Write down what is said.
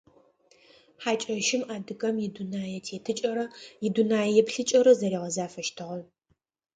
Хьакӏэщым адыгэм идунэететыкӏэрэ идунэееплъыкӏэрэ зэригъэзафэщтыгъэ.